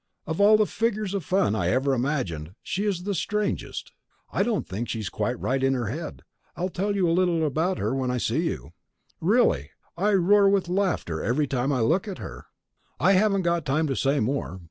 Of all the figures of fun I ever imagined, she is the strangest. I don't think she's quite right in her head. I'll tell you all about her when I see you. Really, I roar with laughter every time I look at her! I haven't got time to say more.